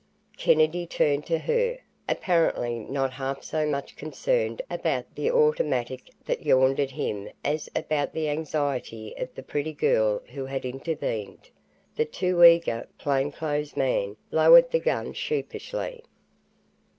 Kennedy turned to her, apparently not half so much concerned about the automatic that yawned at him as about the anxiety of the pretty girl who had intervened. The too eager plainclothesman lowered the gun sheepishly.